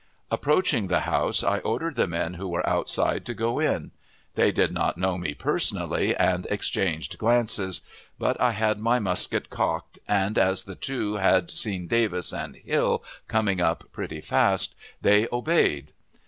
Approaching the house, I ordered the men who were outside to go in. They did not know me personally, and exchanged glances, but I had my musket cocked, and, as the two had seen Davis and Hill coming up pretty fast, they obeyed.